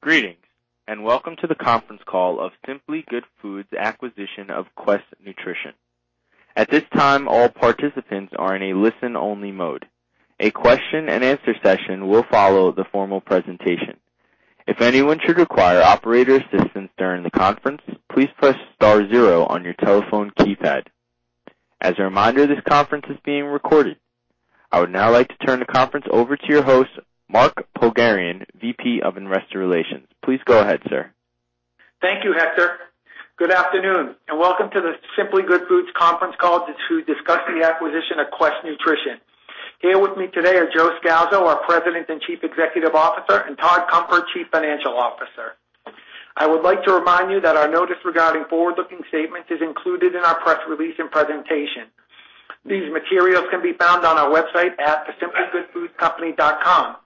Greetings, welcome to the conference call of Simply Good Foods acquisition of Quest Nutrition. At this time, all participants are in a listen-only mode. A question and answer session will follow the formal presentation. If anyone should require operator assistance during the conference, please press star zero on your telephone keypad. As a reminder, this conference is being recorded. I would now like to turn the conference over to your host, Mark Pogharian, VP of Investor Relations. Please go ahead, sir. Thank you, Hector. Good afternoon, and welcome to Simply Good Foods conference call to discuss the acquisition of Quest Nutrition. Here with me today are Joe Scalzo, our President and Chief Executive Officer, and Todd Cunfer, Chief Financial Officer. I would like to remind you that our notice regarding forward-looking statements is included in our press release and presentation. These materials can be found on our website at thesimplygoodfoodcompany.com.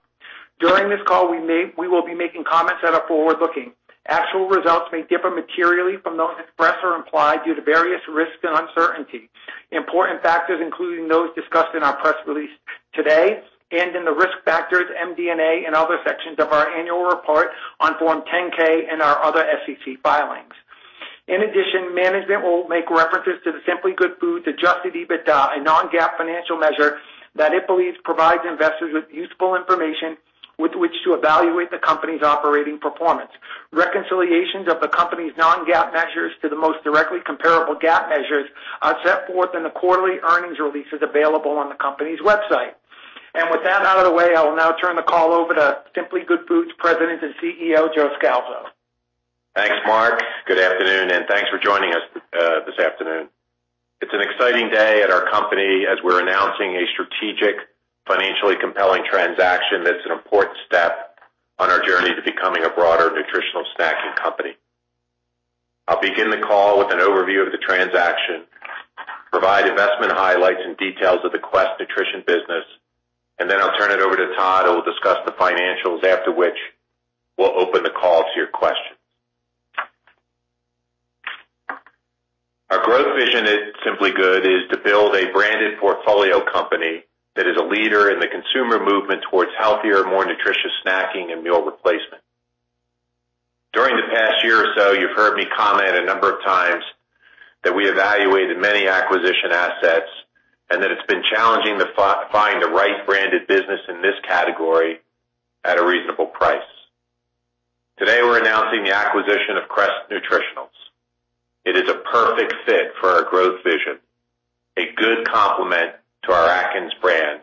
During this call, we will be making comments that are forward-looking. Actual results may differ materially from those expressed or implied due to various risks and uncertainties, important factors, including those discussed in our press release today and in the Risk Factors, MD&A, and other sections of our annual report on Form 10-K and our other SEC filings. In addition, management will make references to the Simply Good Foods adjusted EBITDA, a non-GAAP financial measure that it believes provides investors with useful information with which to evaluate the company's operating performance. Reconciliations of the company's non-GAAP measures to the most directly comparable GAAP measures are set forth in the quarterly earnings releases available on the company's website. With that out of the way, I will now turn the call over to Simply Good Foods President and CEO, Joe Scalzo. Thanks, Mark. Good afternoon, and thanks for joining us this afternoon. It's an exciting day at our company as we're announcing a strategic, financially compelling transaction that's an important step on our journey to becoming a broader nutritional snacking company. I'll begin the call with an overview of the transaction, provide investment highlights and details of the Quest Nutrition business, and then I'll turn it over to Todd, who will discuss the financials, after which we'll open the call to your questions. Our growth vision at Simply Good is to build a branded portfolio company that is a leader in the consumer movement towards healthier, more nutritious snacking and meal replacement. During the past year or so, you've heard me comment a number of times that we evaluated many acquisition assets and that it's been challenging to find the right branded business in this category at a reasonable price. Today, we're announcing the acquisition of Quest Nutrition. It is a perfect fit for our growth vision, a good complement to our Atkins brand,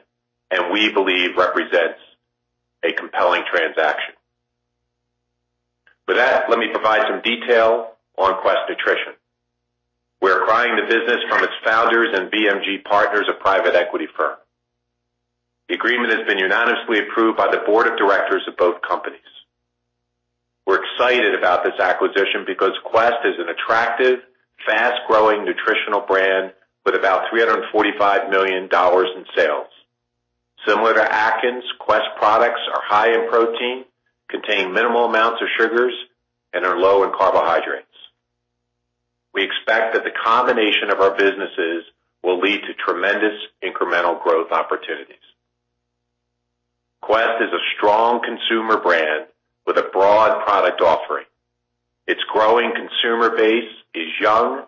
and we believe represents a compelling transaction. With that, let me provide some detail on Quest Nutrition. We're acquiring the business from its founders and VMG Partners, a private equity firm. The agreement has been unanimously approved by the board of directors of both companies. We're excited about this acquisition because Quest is an attractive, fast-growing nutritional brand with about $345 million in sales. Similar to Atkins, Quest products are high in protein, contain minimal amounts of sugars, and are low in carbohydrates. We expect that the combination of our businesses will lead to tremendous incremental growth opportunities. Quest is a strong consumer brand with a broad product offering. Its growing consumer base is young,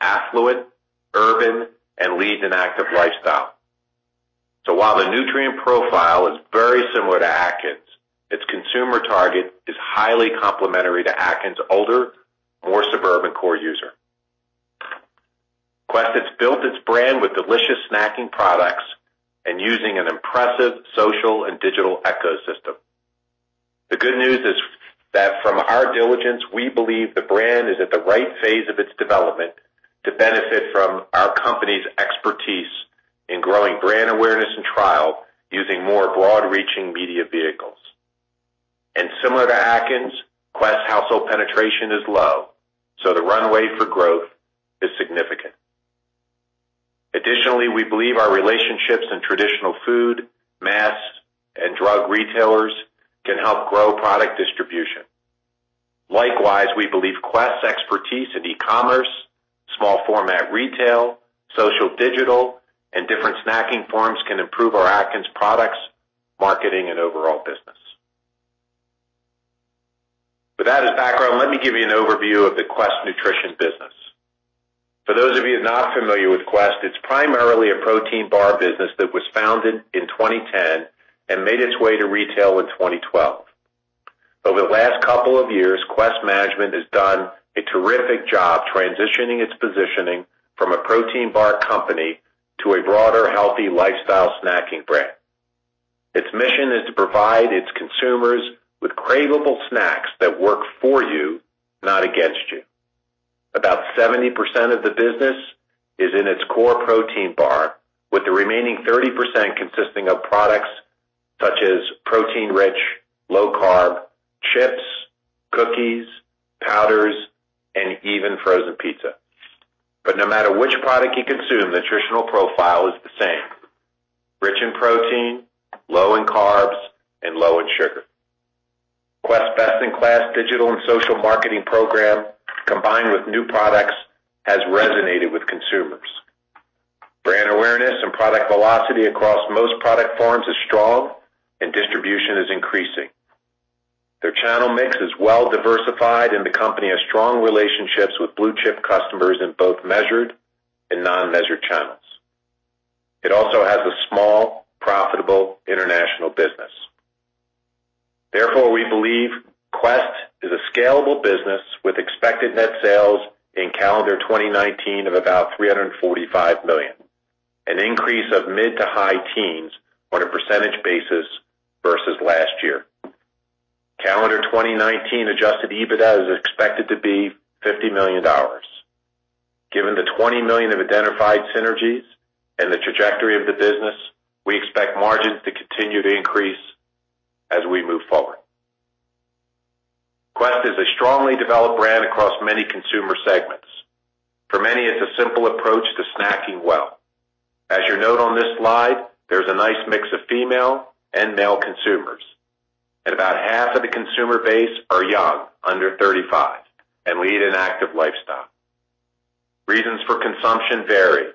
affluent, urban, and leads an active lifestyle. While the nutrient profile is very similar to Atkins, its consumer target is highly complementary to Atkins' older, more suburban core user. Quest has built its brand with delicious snacking products and using an impressive social and digital ecosystem. The good news is that from our diligence, we believe the brand is at the right phase of its development to benefit from our company's expertise in growing brand awareness and trial using more broad-reaching media vehicles. Similar to Atkins, Quest household penetration is low, so the runway for growth is significant. Additionally, we believe our relationships in traditional food, mass, and drug retailers can help grow product distribution. Likewise, we believe Quest's expertise in e-commerce, small format retail, social digital, and different snacking forms can improve our Atkins products, marketing, and overall business. With that as background, let me give you an overview of the Quest Nutrition business. For those of you not familiar with Quest, it's primarily a protein bar business that was founded in 2010 and made its way to retail in 2012. Over the last couple of years, Quest management has done a terrific job transitioning its positioning from a protein bar company to a broader healthy lifestyle snacking brand. Its mission is to provide its consumers with craveable snacks that work for you, not against you. About 70% of the business is in its core protein bar, with the remaining 30% consisting of products such as protein-rich, low-carb chips, protein cookies, powders, and even frozen pizza. No matter which product you consume, the nutritional profile is the same, rich in protein, low in carbs, and low in sugar. Quest's best-in-class digital and social marketing program, combined with new products, has resonated. Most product forms are strong and distribution is increasing. Their channel mix is well diversified. The company has strong relationships with blue-chip customers in both measured and non-measured channels. It also has a small, profitable international business. Therefore, we believe Quest is a scalable business with expected net sales in calendar 2019 of about $345 million, an increase of mid to high teens on a percentage basis versus last year. Calendar 2019 adjusted EBITDA is expected to be $50 million. Given the $20 million of identified synergies and the trajectory of the business, we expect margins to continue to increase as we move forward. Quest is a strongly developed brand across many consumer segments. For many, it's a simple approach to snacking well. As you note on this slide, there's a nice mix of female and male consumers. About half of the consumer base are young, under 35, and lead an active lifestyle. Reasons for consumption vary.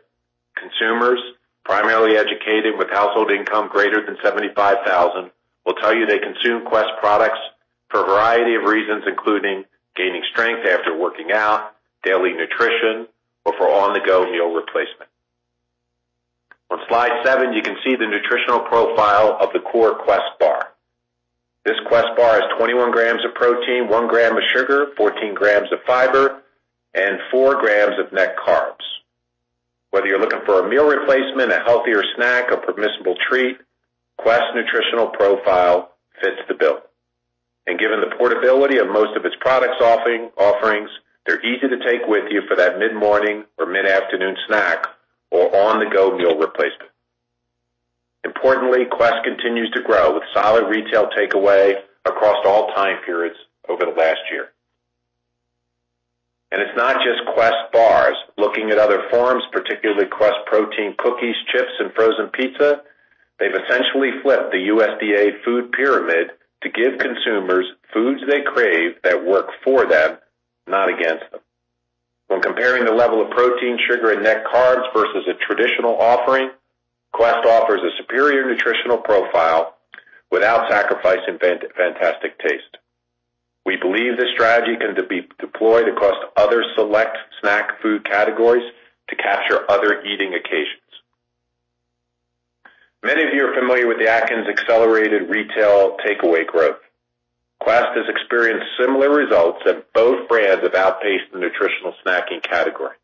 Consumers, primarily educated with household income greater than 75,000, will tell you they consume Quest products for a variety of reasons, including gaining strength after working out, daily nutrition, or for on-the-go meal replacement. On slide seven, you can see the nutritional profile of the core Quest bar. This Quest bar is 21 grams of protein, one gram of sugar, 14 grams of fiber, and four grams of net carbs. Whether you're looking for a meal replacement, a healthier snack, a permissible treat, Quest nutritional profile fits the bill. Given the portability of most of its product offerings, they're easy to take with you for that mid-morning or mid-afternoon snack or on-the-go meal replacement. Importantly, Quest continues to grow with solid retail takeaway across all time periods over the last year. It's not just Quest bars. Looking at other forms, particularly Quest protein cookies, chips, and frozen pizza, they've essentially flipped the USDA food pyramid to give consumers foods they crave that work for them, not against them. When comparing the level of protein, sugar, and net carbs versus a traditional offering, Quest offers a superior nutritional profile without sacrificing fantastic taste. We believe this strategy can be deployed across other select snack food categories to capture other eating occasions. Many of you are familiar with the Atkins accelerated retail takeaway growth. Quest has experienced similar results, and both brands have outpaced the nutritional snacking category.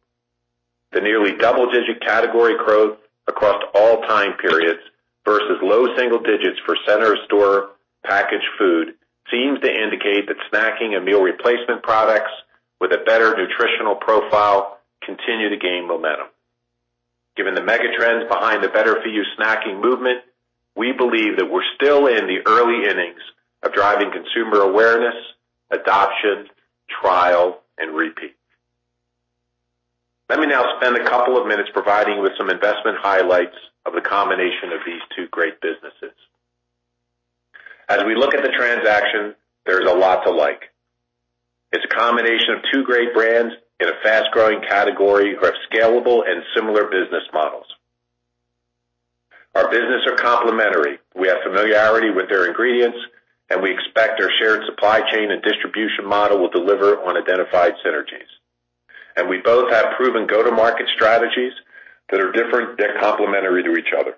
The nearly double-digit category growth across all time periods versus low single digits for center store packaged food seems to indicate that snacking and meal replacement products with a better nutritional profile continue to gain momentum. Given the mega-trends behind the better-for-you snacking movement, we believe that we're still in the early innings of driving consumer awareness, adoption, trial, and repeat. Let me now spend a couple of minutes providing you with some investment highlights of the combination of these two great businesses. As we look at the transaction, there's a lot to like. It's a combination of two great brands in a fast-growing category who have scalable and similar business models. Our businesses are complementary. We have familiarity with their ingredients, and we expect our shared supply chain and distribution model will deliver on identified synergies. We both have proven go-to-market strategies that are different yet complementary to each other.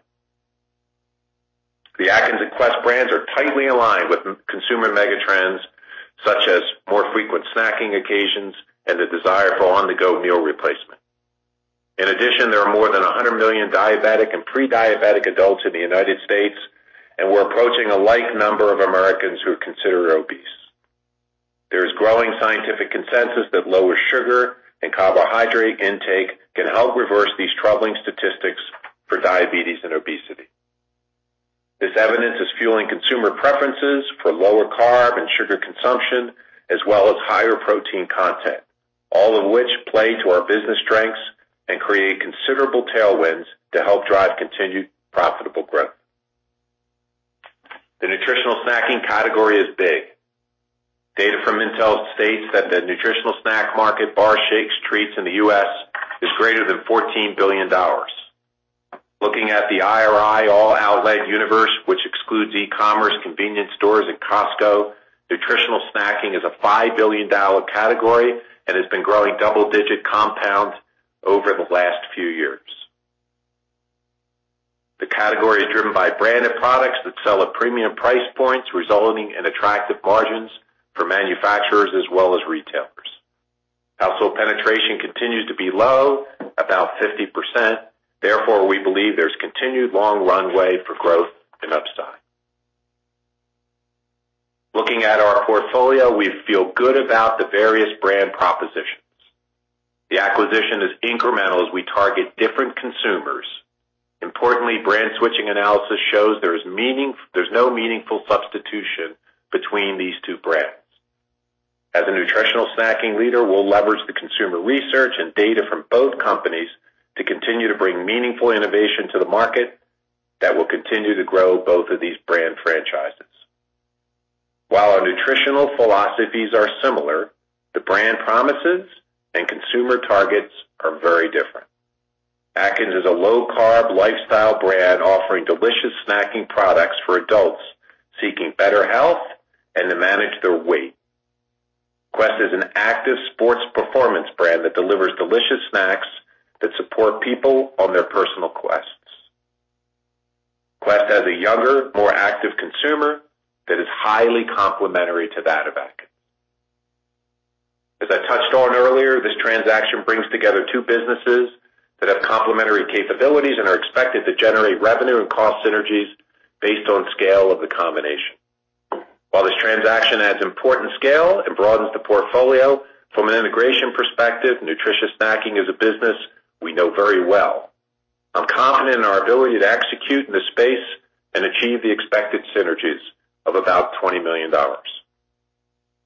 The Atkins and Quest brands are tightly aligned with consumer mega trends, such as more frequent snacking occasions and the desire for on-the-go meal replacement. In addition, there are more than 100 million diabetic and pre-diabetic adults in the U.S., and we're approaching a like number of Americans who are considered obese. There is growing scientific consensus that lower sugar and carbohydrate intake can help reverse these troubling statistics for diabetes and obesity. This evidence is fueling consumer preferences for lower carb and sugar consumption, as well as higher protein content, all of which play to our business strengths and create considerable tailwinds to help drive continued profitable growth. The nutritional snacking category is big. Data from IRI states that the nutritional snack market, bars, shakes, treats in the U.S. is greater than $14 billion. Looking at the IRI all-outlet universe, which excludes e-commerce, convenience stores, and Costco, nutritional snacking is a $5 billion category and has been growing double-digit compound over the last few years. The category is driven by branded products that sell at premium price points, resulting in attractive margins for manufacturers as well as retailers. Household penetration continues to be low, about 50%. We believe there's continued long runway for growth and upside. Looking at our portfolio, we feel good about the various brand propositions. The acquisition is incremental as we target different consumers. Importantly, brand switching analysis shows there's no meaningful substitution between these two brands. As a nutritional snacking leader, we'll leverage the consumer research and data from both companies to continue to bring meaningful innovation to the market that will continue to grow both of these brand franchises. Nutritional philosophies are similar, the brand promises and consumer targets are very different. Atkins is a low-carb lifestyle brand offering delicious snacking products for adults seeking better health and to manage their weight. Quest is an active sports performance brand that delivers delicious snacks that support people on their personal quests. Quest has a younger, more active consumer that is highly complementary to that of Atkins. As I touched on earlier, this transaction brings together two businesses that have complementary capabilities and are expected to generate revenue and cost synergies based on scale of the combination. While this transaction adds important scale and broadens the portfolio, from an integration perspective, nutritious snacking is a business we know very well. I'm confident in our ability to execute in the space and achieve the expected synergies of about $20 million.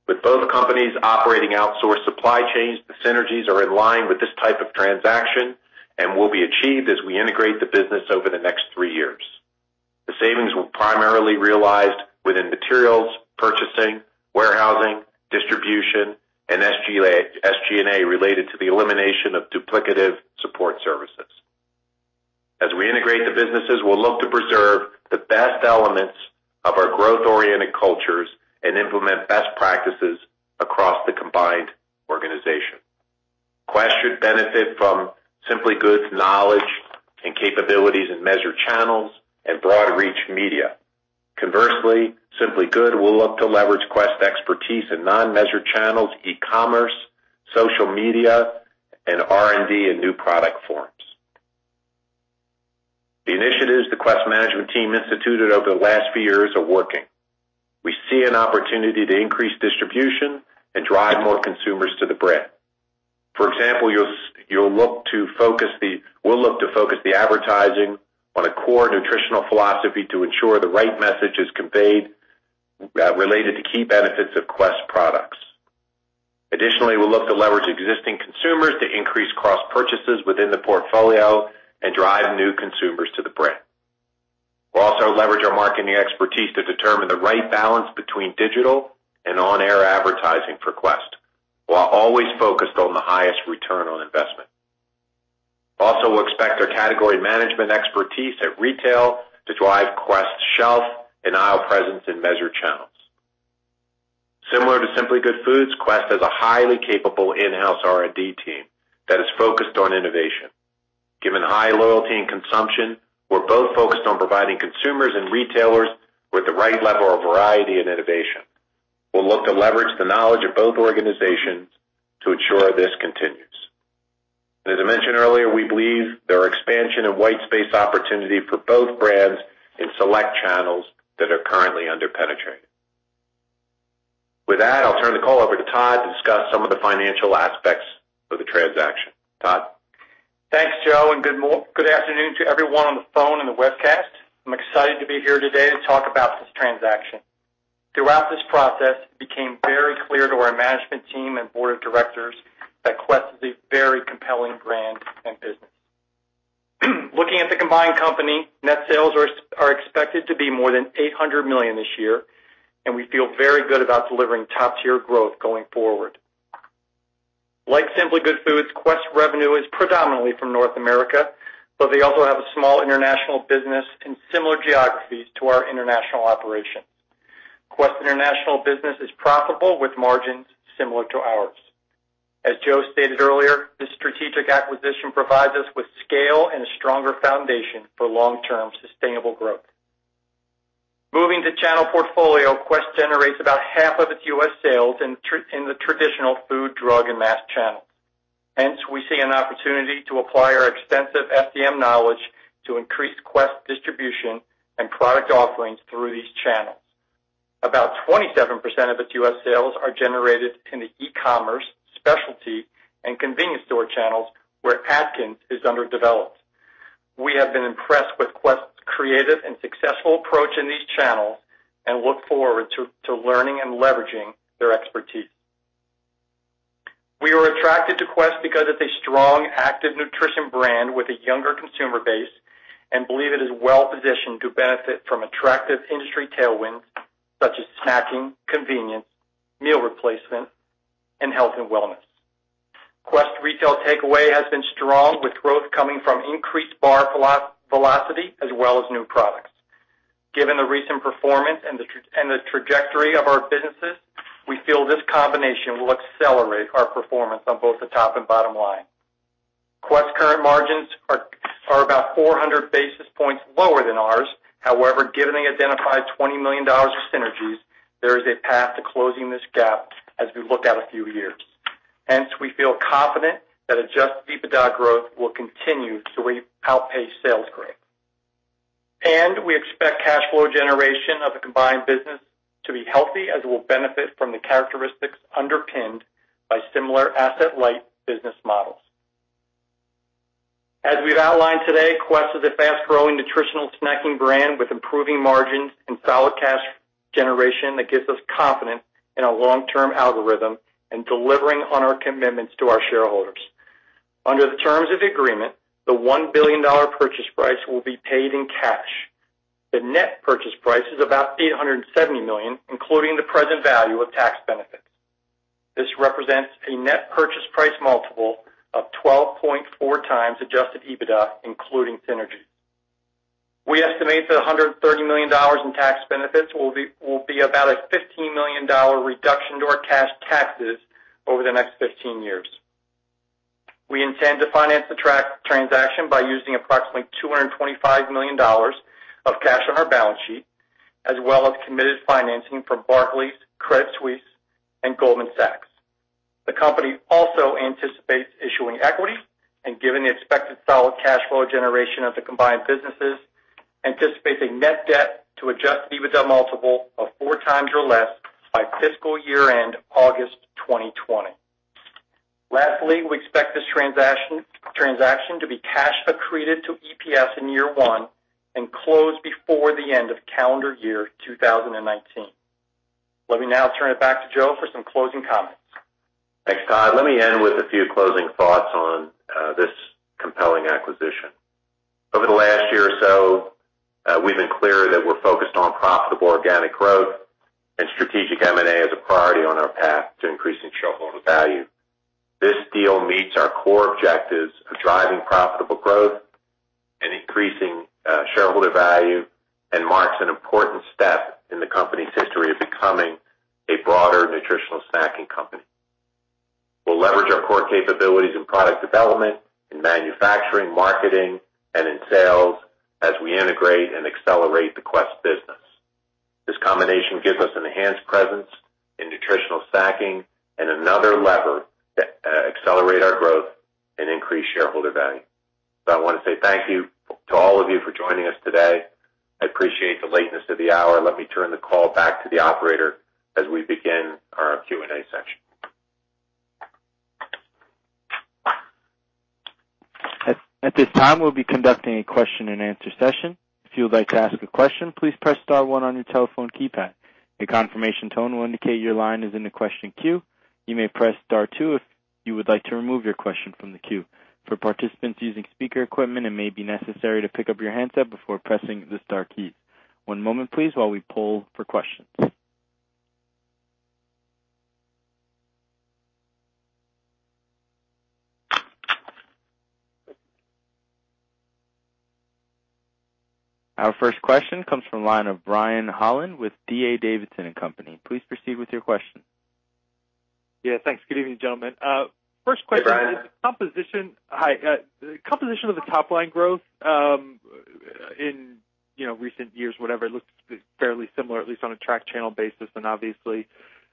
With both companies operating outsourced supply chains, the synergies are in line with this type of transaction and will be achieved as we integrate the business over the next three years. The savings were primarily realized within materials, purchasing, warehousing, distribution, and SG&A related to the elimination of duplicative support services. As we integrate the businesses, we'll look to preserve the best elements of our growth-oriented cultures and implement best practices across the combined organization. Quest should benefit from Simply Good's knowledge and capabilities in measured channels and broad reach media. Conversely, Simply Good will look to leverage Quest expertise in non-measured channels, e-commerce, social media, and R&D and new product forms. The initiatives the Quest management team instituted over the last few years are working. We see an opportunity to increase distribution and drive more consumers to the brand. For example, we'll look to focus the advertising on a core nutritional philosophy to ensure the right message is conveyed related to key benefits of Quest products. Additionally, we'll look to leverage existing consumers to increase cross-purchases within the portfolio and drive new consumers to the brand. We'll also leverage our marketing expertise to determine the right balance between digital and on-air advertising for Quest, while always focused on the highest ROI. Also, we'll expect our category management expertise at retail to drive Quest shelf and aisle presence in measured channels. Similar to Simply Good Foods, Quest has a highly capable in-house R&D team that is focused on innovation. Given high loyalty and consumption, we're both focused on providing consumers and retailers with the right level of variety and innovation. We'll look to leverage the knowledge of both organizations to ensure this continues. As I mentioned earlier, we believe there are expansion and white space opportunity for both brands in select channels that are currently under-penetrated. With that, I'll turn the call over to Todd to discuss some of the financial aspects of the transaction. Todd? Thanks, Joe, and good afternoon to everyone on the phone and the webcast. I'm excited to be here today to talk about this transaction. Throughout this process, it became very clear to our management team and board of directors that Quest is a very compelling brand and business. Looking at the combined company, net sales are expected to be more than $800 million this year, and we feel very good about delivering top-tier growth going forward. Like Simply Good Foods, Quest revenue is predominantly from North America, but they also have a small international business in similar geographies to our international operations. Quest international business is profitable with margins similar to ours. As Joe stated earlier, this strategic acquisition provides us with scale and a stronger foundation for long-term sustainable growth. Moving to channel portfolio, Quest generates about half of its U.S. sales in the traditional food, drug, and mass channels. We see an opportunity to apply our extensive FDM knowledge to increase Quest distribution and product offerings through these channels. About 27% of its U.S. sales are generated in the e-commerce, specialty, and convenience store channels where Atkins is underdeveloped. We have been impressed with Quest's creative and successful approach in these channels and look forward to learning and leveraging their expertise. We were attracted to Quest because it's a strong, active nutrition brand with a younger consumer base and believe it is well positioned to benefit from attractive industry tailwinds such as snacking, convenience, meal replacement, and health and wellness. Quest retail takeaway has been strong with growth coming from increased bar velocity as well as new products. Given the recent performance and the trajectory of our businesses, we feel this combination will accelerate our performance on both the top and bottom line. Quest current margins are about 400 basis points lower than ours. However, given the identified $20 million of synergies, there is a path to closing this gap as we look out a few years. Hence, we feel confident that adjusted EBITDA growth will continue to outpace sales growth. We expect cash flow generation of the combined business to be healthy as it will benefit from the characteristics underpinned by similar asset-light business models. As we've outlined today, Quest is a fast-growing nutritional snacking brand with improving margins and solid cash generation that gives us confidence in our long-term algorithm and delivering on our commitments to our shareholders. Under the terms of the agreement, the $1 billion purchase price will be paid in cash. The net purchase price is about $870 million, including the present value of tax benefits. This represents a net purchase price multiple of 12.4 times adjusted EBITDA, including synergies. We estimate that $130 million in tax benefits will be about a $15 million reduction to our cash taxes over the next 15 years. We intend to finance the transaction by using approximately $225 million of cash on our balance sheet, as well as committed financing from Barclays, Credit Suisse and Goldman Sachs. The company also anticipates issuing equity, and given the expected solid cash flow generation of the combined businesses, anticipates a net debt to adjusted EBITDA multiple of four times or less by fiscal year-end August 2020. Lastly, we expect this transaction to be cash accretive to EPS in year one and close before the end of calendar year 2019. Let me now turn it back to Joe for some closing comments. Thanks, Todd. Let me end with a few closing thoughts on this compelling acquisition. Over the last year or so, we've been clear that we're focused on profitable organic growth and strategic M&A as a priority on our path to increasing shareholder value. This deal meets our core objectives of driving profitable growth and increasing shareholder value, and marks an important step in the company's history of becoming a broader nutritional snacking company. We'll leverage our core capabilities in product development, in manufacturing, marketing, and in sales as we integrate and accelerate the Quest business. This combination gives us enhanced presence in nutritional snacking and another lever to accelerate our growth and increase shareholder value. I want to say thank you to all of you for joining us today. I appreciate the lateness of the hour. Let me turn the call back to the operator as we begin our Q&A session. At this time, we'll be conducting a question and answer session. If you would like to ask a question, please press star one on your telephone keypad. A confirmation tone will indicate your line is in the question queue. You may press star two if you would like to remove your question from the queue. For participants using speaker equipment, it may be necessary to pick up your handset before pressing the star key. One moment, please, while we poll for questions. Our first question comes from the line of Brian Holland with D.A. Davidson & Co. Please proceed with your question. Yeah, thanks. Good evening, gentlemen. First question. Hey, Brian. Hi. Composition of the top line growth in recent years, whatever, it looks fairly similar, at least on a track channel basis. Obviously,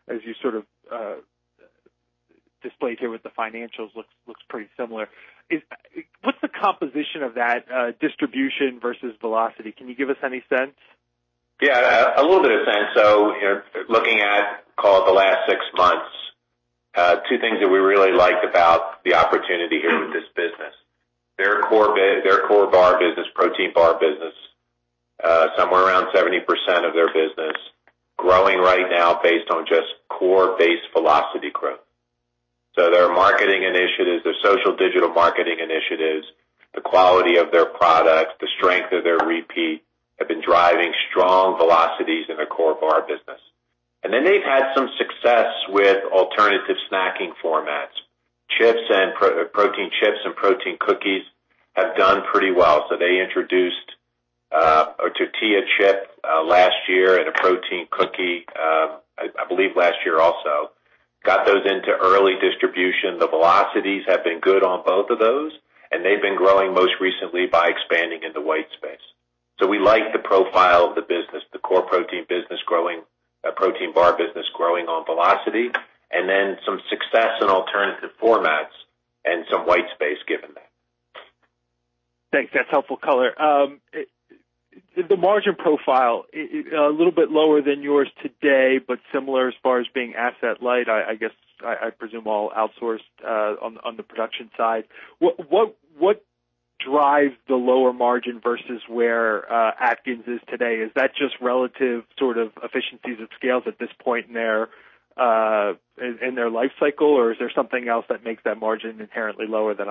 as you sort of displayed here with the financials, looks pretty similar. What's the composition of that distribution versus velocity? Can you give us any sense? Yeah, a little bit of sense. Looking at, call it, the last 6 months, two things that we really liked about the opportunity here with this business. Their core bar business, protein bar business, somewhere around 70% of their business growing right now based on just core-based velocity growth. Their marketing initiatives, their social digital marketing initiatives, the quality of their products, the strength of their repeat have been driving strong velocities in their core bar business. They've had some success with alternative snacking formats. Protein Chips and Protein Cookies have done pretty well. They introduced a Tortilla chip last year and a Protein Cookie, I believe last year also. Got those into early distribution. The velocities have been good on both of those, and they've been growing most recently by expanding in the white space. We like the profile of the business, the core protein bar business growing on velocity, and then some success in alternative formats and some white space given that. Thanks. That's helpful color. The margin profile, a little bit lower than yours today, but similar as far as being asset light, I presume all outsourced on the production side. What drives the lower margin versus where Atkins is today? Is that just relative sort of efficiencies of scales at this point in their life cycle, or is there something else that makes that margin inherently lower that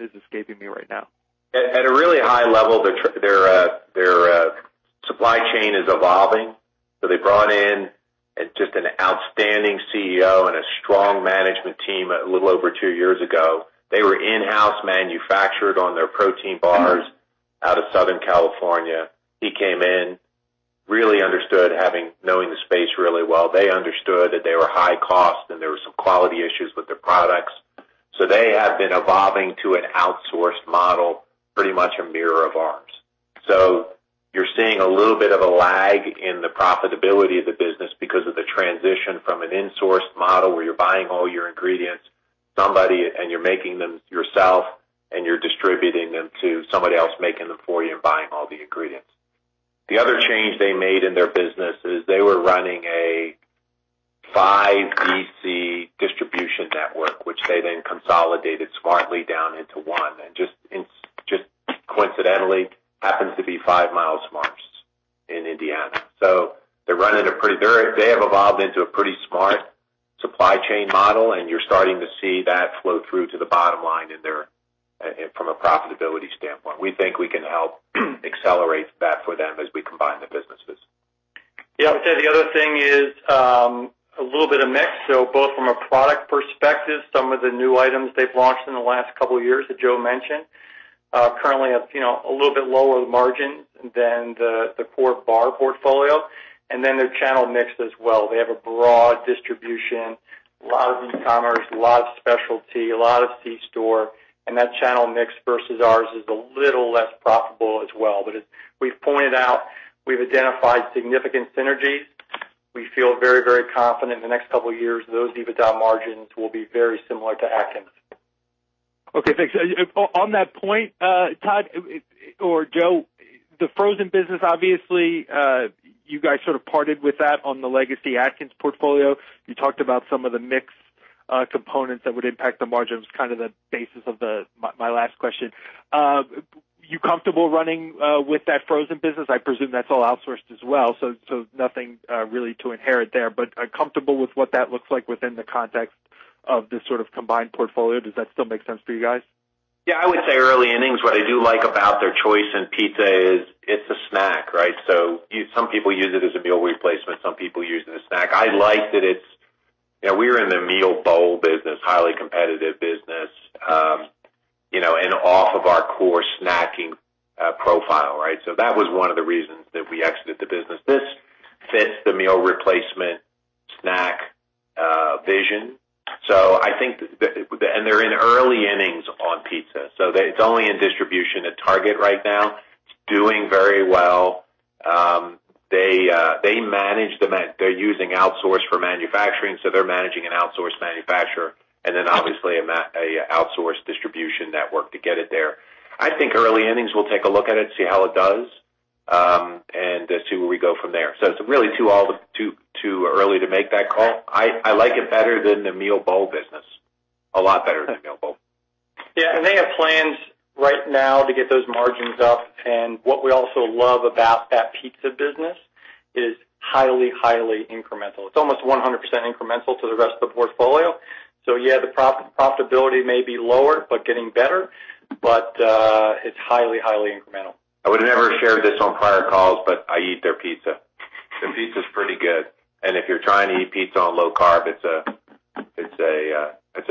is escaping me right now? At a really high level, their supply chain is evolving. They brought in just an outstanding CEO and a strong management team a little over two years ago. They were in-house manufactured on their protein bars out of Southern California. He came in, really understood, knowing the space really well. They understood that they were high cost and there were some quality issues with their products. They have been evolving to an outsourced model, pretty much a mirror of ours. You're seeing a little bit of a lag in the profitability of the business because of the transition from an insourced model, where you're buying all your ingredients, and you're making them yourself, and you're distributing them, to somebody else making them for you and buying all the ingredients. The other change they made in their business is they were running a five DC distribution network, which they then consolidated smartly down into one and just happens to be [Five Mile Smarts] in Indiana. They have evolved into a pretty smart supply chain model, and you're starting to see that flow through to the bottom line from a profitability standpoint. We think we can help accelerate that for them as we combine the businesses. I would say the other thing is a little bit of mix. Both from a product perspective, some of the new items they've launched in the last couple of years that Joe mentioned currently have a little bit lower margin than the core bar portfolio, and then their channel mix as well. They have a broad distribution, a lot of e-commerce, a lot of specialty, a lot of C-store, and that channel mix versus ours is a little less profitable as well. As we've pointed out, we've identified significant synergies. We feel very, very confident in the next couple of years, those EBITDA margins will be very similar to Atkins. Okay, thanks. On that point, Todd or Joe, the frozen business, obviously, you guys sort of parted with that on the legacy Atkins portfolio. You talked about some of the mix components that would impact the margins, kind of the basis of my last question. Are you comfortable running with that frozen business? I presume that's all outsourced as well, so nothing really to inherit there, but are you comfortable with what that looks like within the context of this sort of combined portfolio? Does that still make sense for you guys? I would say early innings. What I do like about their choice in pizza is it's a snack, right? Some people use it as a meal replacement, some people use it as a snack. We were in the meal bowl business, highly competitive business and off of our core snacking profile, right? That was one of the reasons that we exited the business. This fits the meal replacement snack vision. They're in early innings on pizza, it's only in distribution at Target right now. It's doing very well. They're using outsource for manufacturing, they're managing an outsourced manufacturer and then obviously an outsourced distribution network to get it there. I think early innings, we'll take a look at it, see how it does, and see where we go from there. It's really too early to make that call. I like it better than the meal bowl business. A lot better than the meal bowl. Yeah. They have plans right now to get those margins up. What we also love about that pizza business is highly incremental. It's almost 100% incremental to the rest of the portfolio. Yeah, the profitability may be lower, but getting better. It's highly incremental. I would have never shared this on prior calls, but I eat their pizza. The pizza's pretty good. If you're trying to eat pizza on low carb, it's a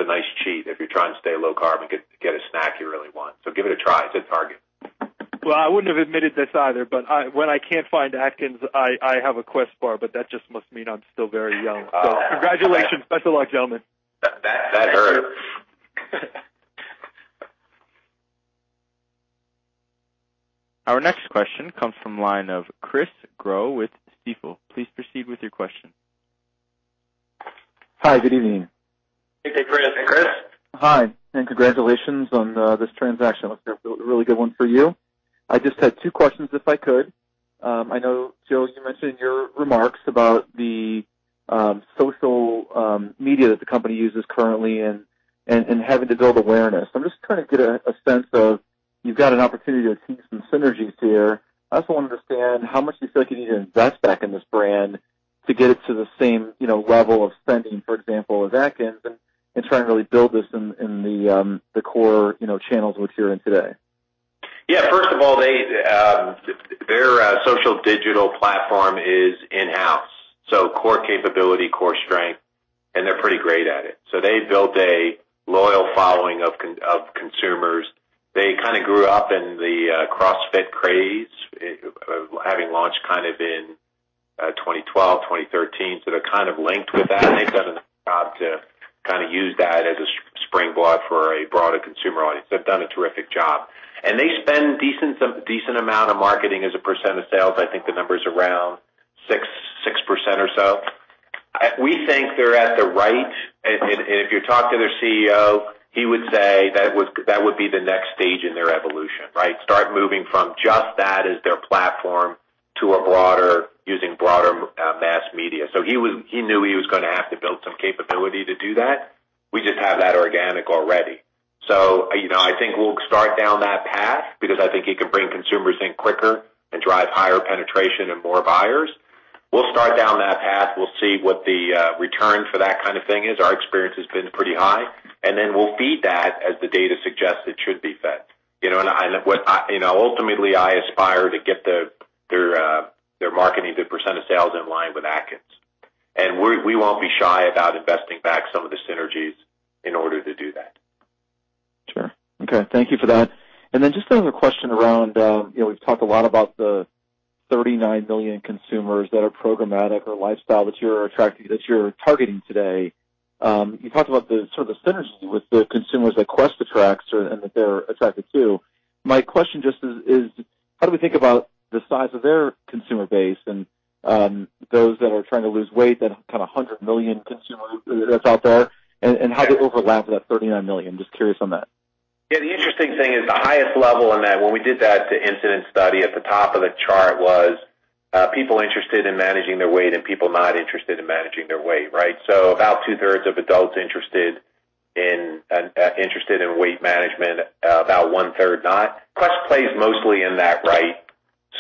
nice cheat if you're trying to stay low carb and get a snack you really want. Give it a try. It's at Target. Well, I wouldn't have admitted this either, but when I can't find Atkins, I have a Quest bar, but that just must mean I'm still very young. Congratulations. Best of luck, gentlemen. That hurts. Our next question comes from line of Chris Growe with Stifel. Please proceed with your question. Hi. Good evening. Hey, Chris. Hey, Chris. Hi, congratulations on this transaction. Looks like a really good one for you. I just had two questions, if I could. I know, Joe, you mentioned in your remarks about the social media that the company uses currently and having to build awareness. I'm just trying to get a sense of, you've got an opportunity to tease some synergies here. I also want to understand how much you feel like you need to invest back in this brand to get it to the same level of spending, for example, as Atkins and trying to really build this in the core channels we're hearing today. Yeah. First of all, their social digital platform is in-house, so core capability, core strength, and they're pretty great at it. They built a loyal following of consumers. They kind of grew up in the CrossFit craze, having launched in 2012, 2013. They're kind of linked with that, and they've done a nice job to use that as a springboard for a broader consumer audience. They've done a terrific job. They spend decent amount of marketing as a % of sales. I think the number's around 6% or so. We think they're at the right-- If you talk to their CEO, he would say that would be the next stage in their evolution, right? Start moving from just that as their platform to using broader mass media. He knew he was going to have to build some capability to do that. We just have that organic already. I think we'll start down that path because I think it can bring consumers in quicker and drive higher penetration and more buyers. We'll start down that path. We'll see what the return for that kind of thing is. Our experience has been pretty high. Then we'll feed that as the data suggests it should be fed. Ultimately, I aspire to get their marketing to % of sales in line with Atkins. We won't be shy about investing back some of the synergies in order to do that. Sure. Okay. Thank you for that. Just another question around, we've talked a lot about the 39 million consumers that are programmatic or lifestyle that you're targeting today. You talked about the sort of synergy with the consumers that Quest attracts and that they're attracted to. My question just is, how do we think about the size of their consumer base and those that are trying to lose weight, that kind of 100 million consumers that's out there and how they overlap that 39 million? Just curious on that. Yeah. The interesting thing is the highest level in that when we did that incident study at the top of the chart was people interested in managing their weight and people not interested in managing their weight, right? About two-thirds of adults interested in weight management, about one-third not. Quest plays mostly in that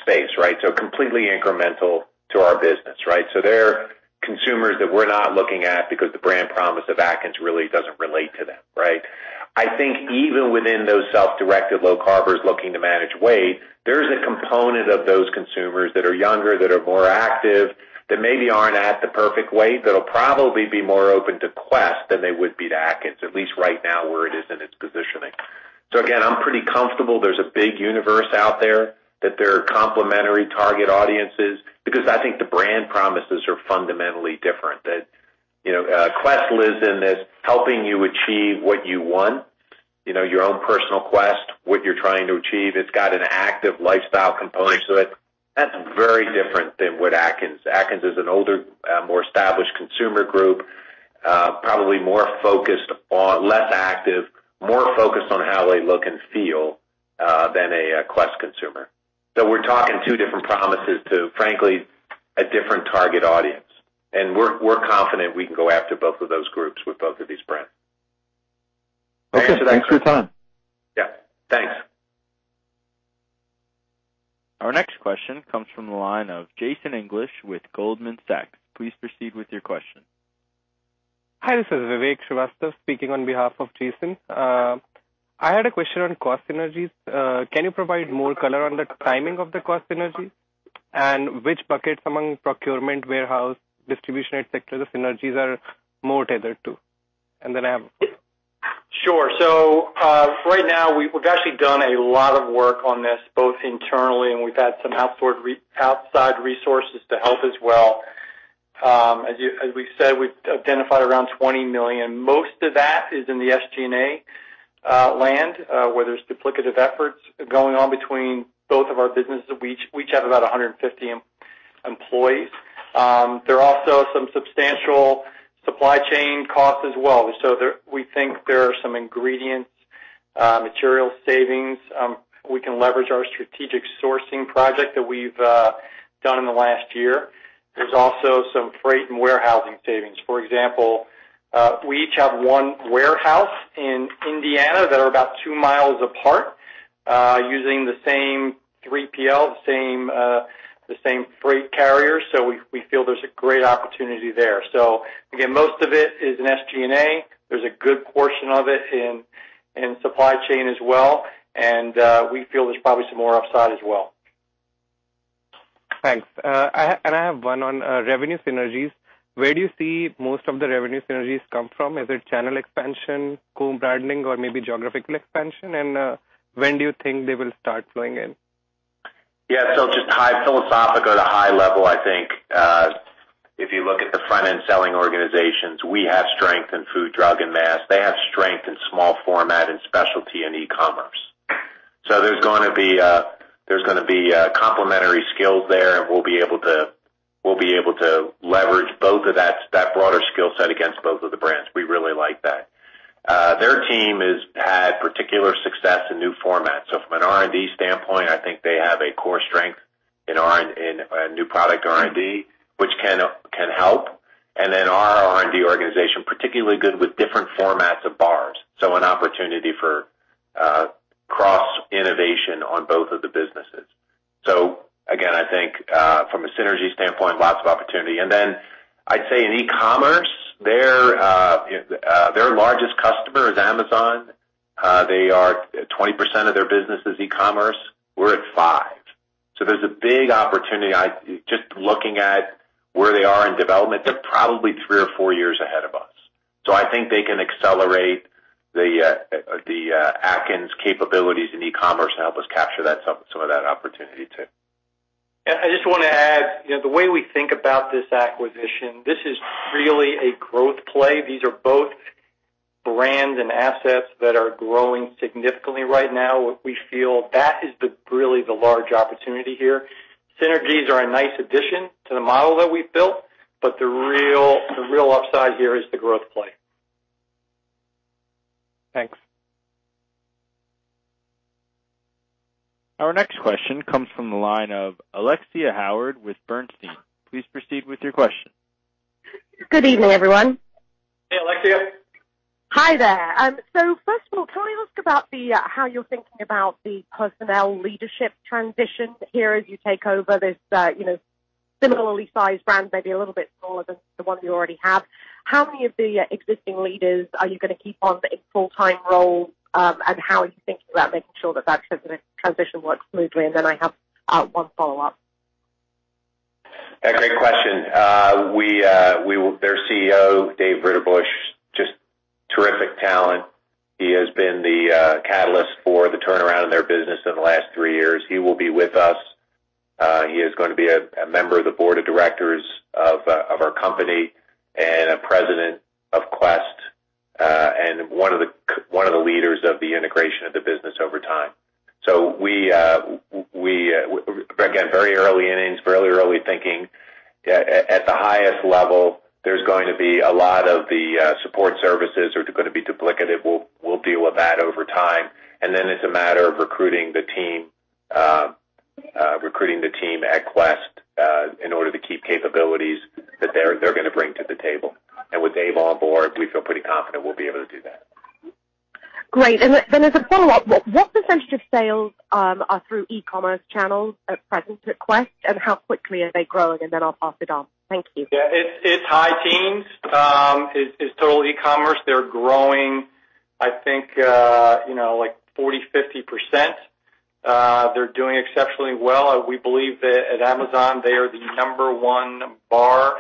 space, right? Completely incremental to our business, right? They're consumers that we're not looking at because the brand promise of Atkins really doesn't relate to them, right? I think even within those self-directed low carbers looking to manage weight, there's a component of those consumers that are younger, that are more active, that maybe aren't at the perfect weight, that'll probably be more open to Quest than they would be to Atkins, at least right now, where it is in its positioning. Again, I'm pretty comfortable there's a big universe out there, that they're complementary target audiences, because I think the brand promises are fundamentally different. That Quest lives in this helping you achieve what you want, your own personal quest, what you're trying to achieve. It's got an active lifestyle component to it. That's very different than with Atkins. Atkins is an older, more established consumer group, probably less active, more focused on how they look and feel, than a Quest consumer. We're talking two different promises to, frankly, a different target audience, and we're confident we can go after both of those groups with both of these brands. Okay. Thanks for your time. Yeah. Thanks. Our next question comes from the line of Jason English with Goldman Sachs. Please proceed with your question. Hi, this is Vivek Srivastava speaking on behalf of Jason. I had a question on cost synergies. Can you provide more color on the timing of the cost synergies? Which buckets among procurement, warehouse, distribution sector the synergies are more tethered to? Sure. Right now, we've actually done a lot of work on this, both internally and we've had some outside resources to help as well. As we've said, we've identified around $20 million. Most of that is in the SG&A land where there's duplicative efforts going on between both of our businesses, which have about 150 employees. There are also some substantial supply chain costs as well. We think there are some ingredients, material savings. We can leverage our strategic sourcing project that we've done in the last year. There's also some freight and warehousing savings. For example, we each have one warehouse in Indiana that are about 2 miles apart, using the same 3PL, the same freight carrier. We feel there's a great opportunity there. Again, most of it is in SG&A. There's a good portion of it in supply chain as well, and we feel there's probably some more upside as well. Thanks. I have one on revenue synergies. Where do you see most of the revenue synergies come from? Is it channel expansion, category broadening, or maybe geographical expansion? When do you think they will start flowing in? Yeah. Just high philosophical to high level, I think, if you look at the front-end selling organizations, we have strength in Food/Drug/Mass. They have strength in small format and specialty and e-commerce. There's going to be complementary skills there, and we'll be able to leverage both of that broader skill set against both of the brands. We really like that. Their team has had particular success in new formats. From an R&D standpoint, I think they have a core strength in new product R&D, which can help. Our R&D organization, particularly good with different formats of bars, so an opportunity for cross-innovation on both of the businesses. Again, I think, from a synergy standpoint, lots of opportunity. I'd say in e-commerce, their largest customer is Amazon. 20% of their business is e-commerce. We're at five. There's a big opportunity. Just looking at where they are in development, they're probably three or four years ahead of us. I think they can accelerate the Atkins capabilities in e-commerce and help us capture some of that opportunity too. Yeah, I just want to add, the way we think about this acquisition, this is really a growth play. These are both brands and assets that are growing significantly right now. What we feel that is really the large opportunity here. Synergies are a nice addition to the model that we've built, but the real upside here is the growth play. Thanks. Our next question comes from the line of Alexia Howard with Bernstein. Please proceed with your question. Good evening, everyone. Hey, Alexia. Hi there. First of all, can I ask about how you're thinking about the personnel leadership transition here as you take over this similarly sized brand, maybe a little bit smaller than the one you already have. How many of the existing leaders are you going to keep on in full-time roles? How are you thinking about making sure that that transition works smoothly? Then I have one follow-up. Yeah. Great question. Their CEO, Dave Ritterbush, just terrific talent. He has been the catalyst for the turnaround in their business in the last three years. He will be with us. He is going to be a member of the board of directors of our company and a president of Quest, and one of the leaders of the integration of the business over time. We, again, very early innings, very early thinking. At the highest level, there's going to be a lot of the support services are going to be duplicative. We'll deal with that over time. It's a matter of recruiting the team at Quest in order to keep capabilities that they're going to bring to the table. With Dave on board, we feel pretty confident we'll be able to do that. Great. As a follow-up, what % of sales are through e-commerce channels at present at Quest, and how quickly are they growing? I'll pass it on. Thank you. Yeah, it's high teens is total e-commerce. They're growing, I think, like 40%, 50%. They're doing exceptionally well. We believe that at Amazon, they are the number one bar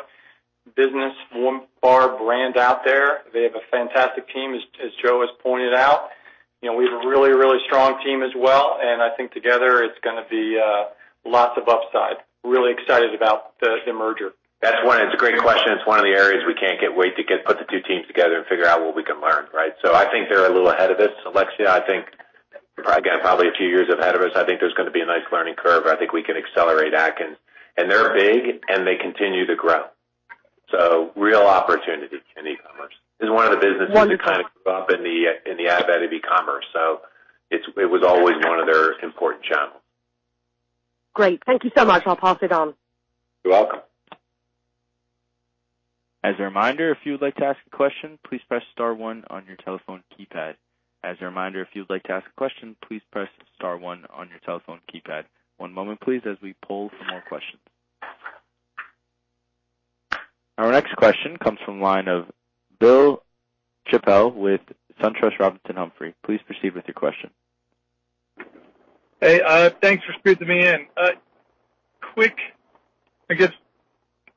business, one bar brand out there. They have a fantastic team, as Joe has pointed out. We have a really strong team as well, and I think together it's going to be lots of upside. Really excited about the merger. That's a great question. It's one of the areas we can't wait to put the two teams together and figure out what we can learn, right? I think they're a little ahead of us. Alexia, I think, probably a few years ahead of us. I think there's going to be a nice learning curve. I think we can accelerate Atkins. They're big, and they continue to grow. Real opportunity in e-commerce. This is one of the businesses that grew up in the advent of e-commerce, so it was always one of their important channels. Great. Thank you so much. I'll pass it on. You're welcome. As a reminder, if you would like to ask a question, please press star one on your telephone keypad. One moment please, as we pull for more questions. Our next question comes from the line of Bill Chappell with SunTrust Robinson Humphrey. Please proceed with your question. Hey, thanks for squeezing me in.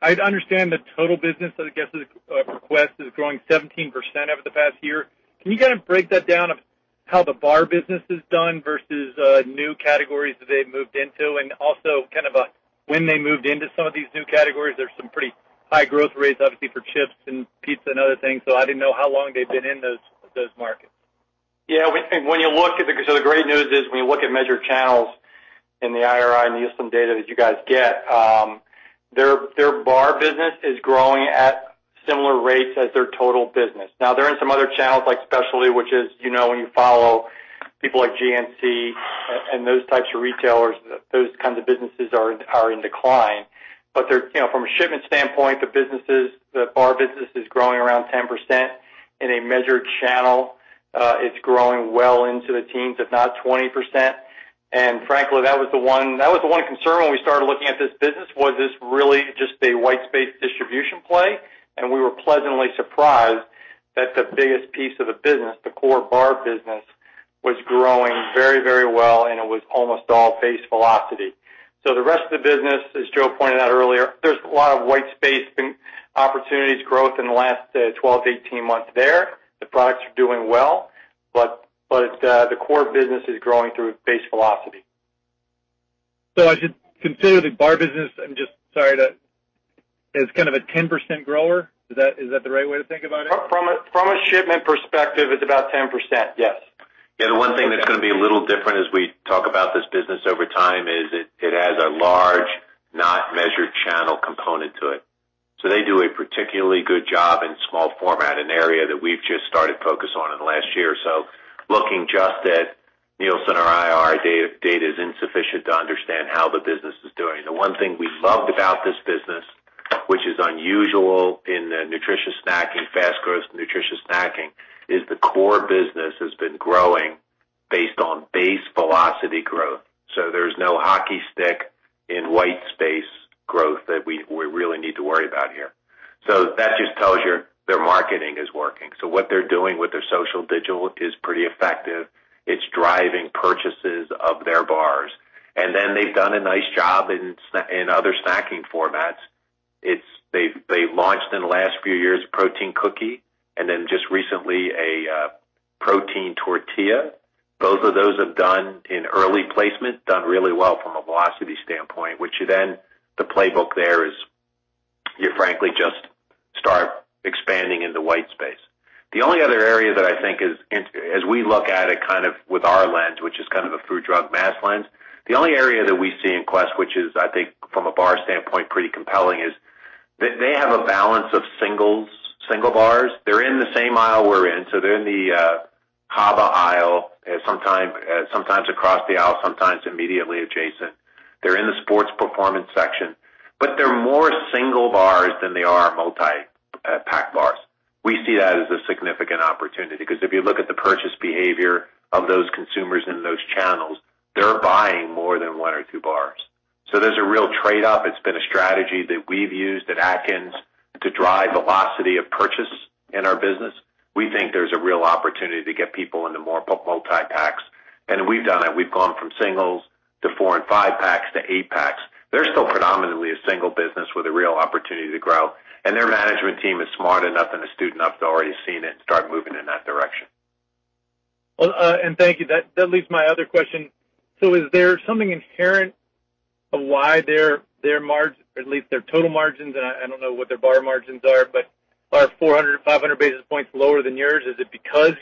I'd understand the total business of Quest is growing 17% over the past year. Can you break that down of how the bar business has done versus new categories that they've moved into? When they moved into some of these new categories, there's some pretty high growth rates, obviously, for chips and pizza and other things, I didn't know how long they've been in those markets. Yeah, the great news is when you look at measured channels in the IRI and Nielsen data that you guys get, their bar business is growing at similar rates as their total business. They're in some other channels like specialty, which is when you follow people like GNC and those types of retailers, those kinds of businesses are in decline. From a shipment standpoint, the bar business is growing around 10% in a measured channel. It's growing well into the teens, if not 20%. Frankly, that was the one concern when we started looking at this business was this really just a white space distribution play, and we were pleasantly surprised that the biggest piece of the business, the core bar business, was growing very, very well, and it was almost all base velocity. The rest of the business, as Joe pointed out earlier, there's a lot of white space and opportunities growth in the last 12 to 18 months there. The products are doing well, but the core business is growing through base velocity. I should consider the bar business, sorry to, as kind of a 10% grower. Is that the right way to think about it? From a shipment perspective, it's about 10%, yes. Yeah, the one thing that's going to be a little different as we talk about this business over time is it has a large not measured channel component to it. They do a particularly good job in small format, an area that we've just started focus on in the last year or so. Looking just at Nielsen or IRI data is insufficient to understand how the business is doing. The one thing we loved about this business, which is unusual in nutritious snacking, fast-growth nutritious snacking, is the core business has been growing based on base velocity growth. There's no hockey stick in white space growth that we really need to worry about here. That just tells you their marketing is working. What they're doing with their social digital is pretty effective. It's driving purchases of their bars. They've done a nice job in other snacking formats. They've launched in the last few years a protein cookie just recently a protein tortilla. Both of those have done, in early placement, done really well from a velocity standpoint, the playbook there is you frankly just start expanding in the white space. The only other area that I think is, as we look at it with our lens, which is a food, drug, mass lens, the only area that we see in Quest, which is, I think from a bar standpoint, pretty compelling, is they have a balance of single bars. They're in the same aisle we're in. They're in the HBA aisle, sometimes across the aisle, sometimes immediately adjacent. They're in the sports performance section. They're more single bars than they are multi-pack bars. We see that as a significant opportunity because if you look at the purchase behavior of those consumers in those channels, they're buying more than one or two bars. There's a real trade-off. It's been a strategy that we've used at Atkins to drive velocity of purchase in our business. We think there's a real opportunity to get people into more multi-packs. We've done it. We've gone from singles to 4 and 5 packs to 8 packs. They're still predominantly a single business with a real opportunity to grow, and their management team is smart enough and astute enough to already seen it and start moving in that direction. Thank you. That leaves my other question. Is there something inherent of why their margin, at least their total margins, and I don't know what their bar margins are 400 or 500 basis points lower than yours? Is it because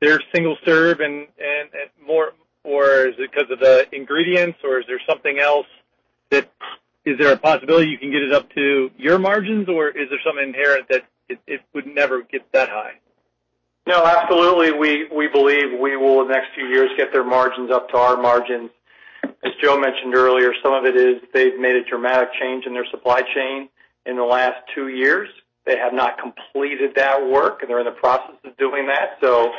they're single-serve or is it because of the ingredients, or is there something else? Is there a possibility you can get it up to your margins, or is there something inherent that it would never get that high? No, absolutely. We believe we will, in the next few years, get their margins up to our margins. As Joe mentioned earlier, some of it is they've made a dramatic change in their supply chain in the last two years. They have not completed that work, and they're in the process of doing that, so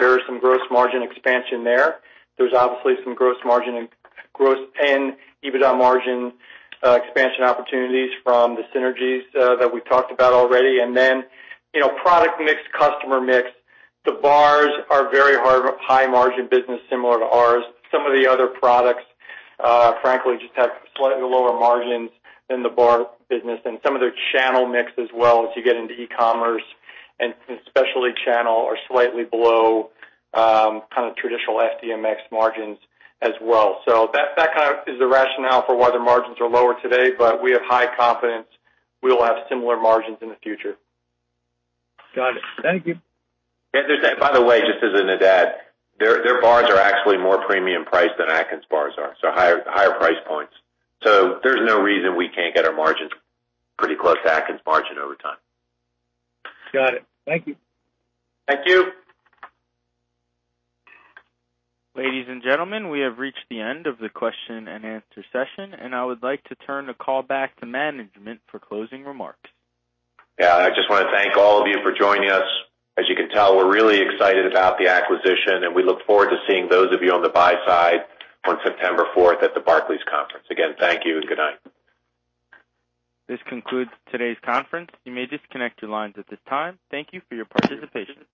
there is some gross margin expansion there. There's obviously some gross margin and EBITDA margin expansion opportunities from the synergies that we talked about already. Then product mix, customer mix. The bars are very high-margin business similar to ours. Some of the other products, frankly, just have slightly lower margins than the bar business and some of their channel mix as well as you get into e-commerce and especially channel are slightly below kind of traditional FDMx margins as well. That kind of is the rationale for why their margins are lower today. We have high confidence we will have similar margins in the future. Got it. Thank you. By the way, just as an add, their bars are actually more premium priced than Atkins bars are, so higher price points. There's no reason we can't get our margins pretty close to Atkins margin over time. Got it. Thank you. Thank you. Ladies and gentlemen, we have reached the end of the question-and-answer session. I would like to turn the call back to management for closing remarks. Yeah. I just want to thank all of you for joining us. As you can tell, we're really excited about the acquisition, and we look forward to seeing those of you on the buy side on September fourth at the Barclays conference. Again, thank you and good night. This concludes today's conference. You may disconnect your lines at this time. Thank you for your participation.